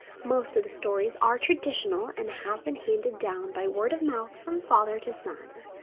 Most of the stories are traditional and have been handed down by word of mouth from father to son.